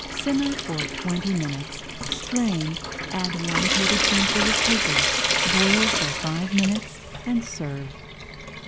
Simmer for twenty minutes, strain, add one tablespoonful of capers, boil for five minutes, and serve.